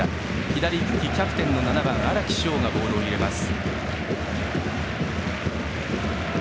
左、キャプテンの７番荒木翔がボールを入れます。